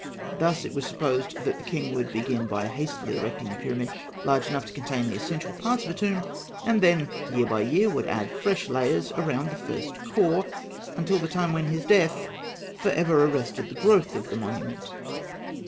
Thus it was supposed that the king would begin by hastily erecting a pyramid large enough to contain the essential parts of a tomb; and then, year by year, would add fresh layers around the first core, until the time when his death for ever arrested the growth of the monument.